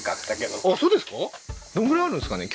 どれぐらいあるんですかね？